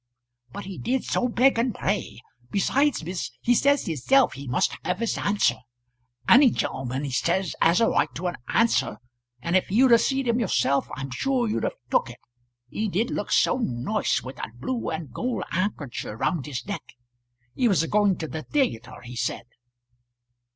"But he did so beg and pray. Besides, miss, as he says hisself he must have his answer. Any gen'leman, he says, 'as a right to a answer. And if you'd a seed him yourself I'm sure you'd have took it. He did look so nice with a blue and gold hankercher round his neck. He was a going to the the a tre he said."